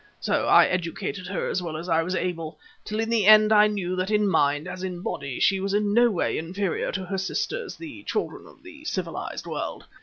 So I educated her as well as I was able, till in the end I knew that in mind, as in body, she was in no way inferior to her sisters, the children of the civilized world.